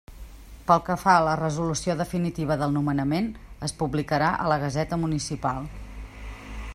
Pel que fa a la resolució definitiva del nomenament, es publicarà a la Gaseta Municipal.